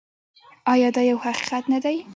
آیا دا یو حقیقت نه دی؟